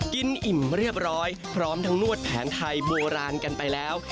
อิ่มเรียบร้อยพร้อมทั้งนวดแผนไทยโบราณกันไปแล้ว